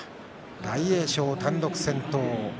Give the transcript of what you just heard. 大栄翔、単独先頭。